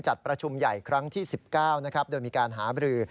ประชุมใหญ่ครั้งที่๑๙โดยมีการหาบรือ